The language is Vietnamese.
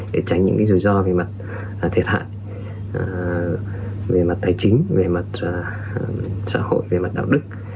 để tránh những rủi ro về mặt thiệt hại về mặt tài chính về mặt xã hội về mặt đạo đức